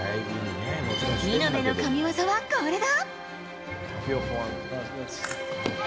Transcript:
見延の神技は、これだ！